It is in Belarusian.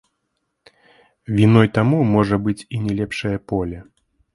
Віной таму можа быць і не лепшае поле.